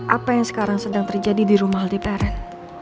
apa yang sekarang sedang terjadi di rumah aldebaran